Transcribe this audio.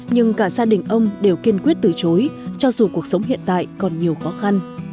nhưng cả gia đình ông đều kiên quyết từ chối cho dù cuộc sống hiện tại còn nhiều khó khăn